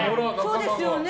そうですよね！